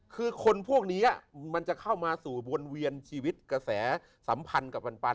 คือคนพวกนี้มันจะเข้ามาสู่วนเวียนชีวิตกระแสสัมพันธ์กับปัน